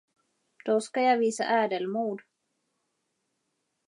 Då skall jag visa ädelmod.